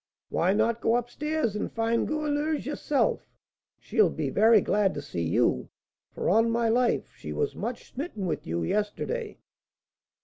Why not go up stairs, and find Goualeuse yourself; she'll be very glad to see you, for, on my life, she was much smitten with you yesterday?"